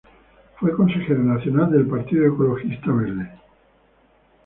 Fue Consejero Nacional del Partido Ecologista Verde.